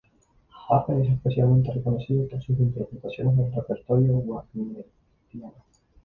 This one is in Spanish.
Pape es especialmente reconocido por sus interpretaciones del repertorio wagneriano.